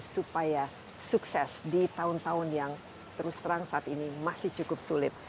supaya sukses di tahun tahun yang terus terang saat ini masih cukup sulit